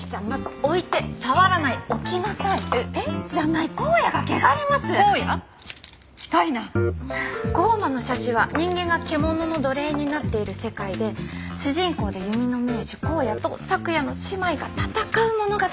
『降魔の射手』は人間が獣の奴隷になっている世界で主人公で弓の名手光矢と咲耶の姉妹が闘う物語です。